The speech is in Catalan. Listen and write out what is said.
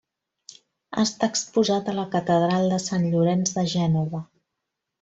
Està exposat a la catedral de Sant Llorenç de Gènova.